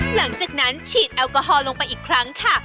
หลังจากนั้นฉีดแอลกอฮอลลงไปอีกครั้งค่ะ